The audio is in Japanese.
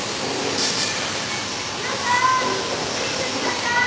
皆さん聞いてください！